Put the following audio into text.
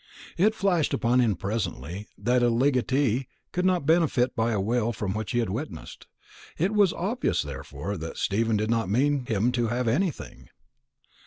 It flashed upon him presently that a legatee could not benefit by a will which he had witnessed. It was obvious, therefore, that Stephen did not mean him to have anything.